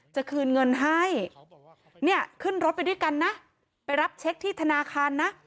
จะคืนเงินให้เนี่ยขึ้นรถไปด้วยกันนะไปรับเช็คที่ธนาคารนะ